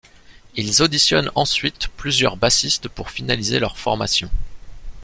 Ils auditionnent ensuite plusieurs bassistes pour finaliser leur formation.